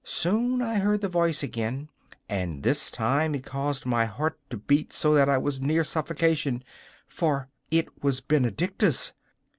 Soon I heard the voice again, and this time it caused my heart to beat so that I was near suffocation, for it was Benedicta's!